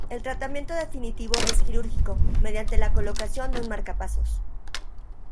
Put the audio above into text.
El tratamiento definitivo es quirúrgico, mediante la colocación de un marcapasos.